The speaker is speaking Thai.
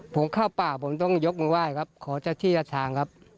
ผมเข้าป่าผมต้องยกมือไหว้ครับขอเจ้าที่เจ้าทางครับ